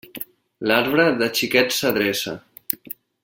L'arbre, de xiquet s'adreça.